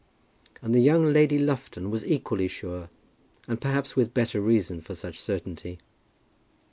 And the young Lady Lufton was equally sure, and perhaps with better reason for such certainty.